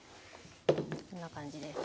こんな感じです。